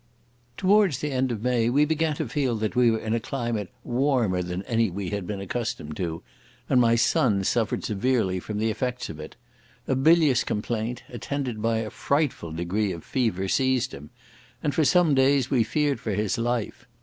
Towards the end of May we began to feel that we were in a climate warmer than any we had been accustomed to, and my son suffered severely from the effects of it. A bilious complaint, attended by a frightful degree of fever, seized him, and for some days we feared for his life.